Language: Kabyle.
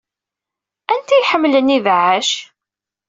Anti ay iḥemmlen ibeɛɛac?